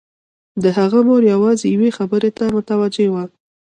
د هغه مور يوازې يوې خبرې ته متوجه وه.